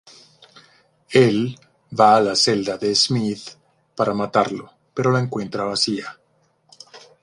Él va a la celda de Smith para matarlo, pero la encuentra vacía.